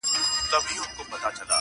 د خوښۍ کمبله ټوله سوه ماتم سو،